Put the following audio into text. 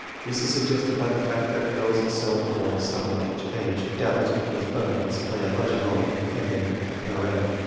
This is suggested by the fact that girls excel the boys somewhat each age, doubtless because bow knots play a larger role in feminine apparel.